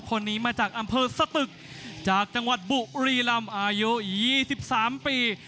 คนนี้มาจากอำเภอสตึกจากจังหวัดบุรีลำอายุ๒๓ปี